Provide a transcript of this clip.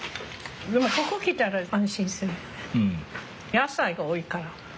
野菜が多いから。